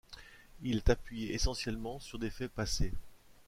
Il est appuyé essentiellement sur des faits passés.